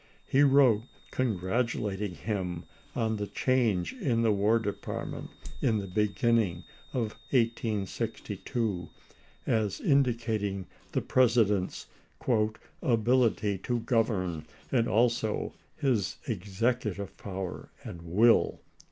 He wrote, congratulating him on the change in the War Department in the beginning of 1862, as indicating the President's "ability to Ms. govern, and also his executive power and will."